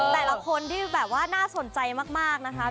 แต่ละคนที่แบบว่าน่าสนใจมากนะคะ